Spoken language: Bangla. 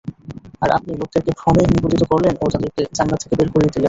আর আপনি লোকদেরকে ভ্রমে নিপতিত করলেন ও তাদেরকে জান্নাত থেকে বের করিয়ে দিলেন।